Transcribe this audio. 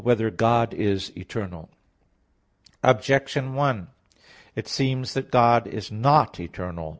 2] Whether God is Eternal? Objection 1: It seems that God is not eternal.